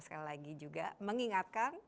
sekali lagi juga